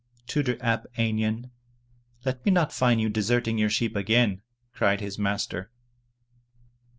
"Tudur ap Einion, let me not find you deserting your sheep again!" cried his master.